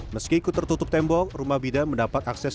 meski ikut tertutup tembok rumah bidan mendapat akses